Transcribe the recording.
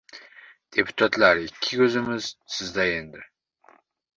Deputatlar, ikki ko‘zimiz sizda endi!